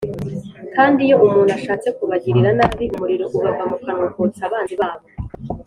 Kandi iyo umuntu ashatse kubagirira nabi umuriro ubava mu kanwa ukotsa abanzi babo,